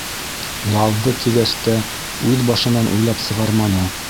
Яҙҙы тигәс тә, үҙ башынан уйлап сығарманы.